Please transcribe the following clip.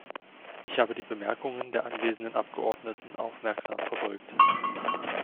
Ich habe die Bemerkungen der anwesenden Abgeordneten aufmerksam verfolgt.